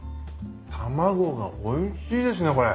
卵がおいしいですねこれ。